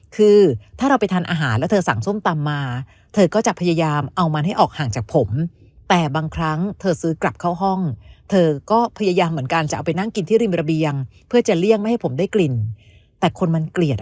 คือถ้าเราไปทานอาหารแล้วเธอสั่งส้มตำมาเธอก็จะพยายามเอามันให้ออกห่างจากผม